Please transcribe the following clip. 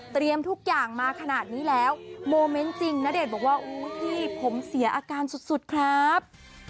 ทุกอย่างมาขนาดนี้แล้วโมเมนต์จริงณเดชน์บอกว่าอุ้ยพี่ผมเสียอาการสุดครับ